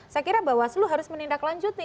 saya kira bahwa seluruh harus menindaklanjuti